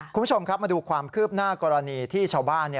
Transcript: คุณผู้ชมครับมาดูความคืบหน้ากรณีที่ชาวบ้าน